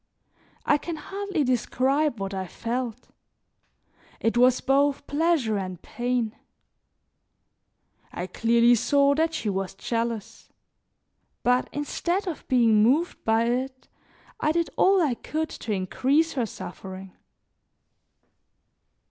I can hardly describe what I felt; it was both pleasure and pain. I clearly saw that she was jealous; but instead of being moved by it, I did all I could to increase her suffering.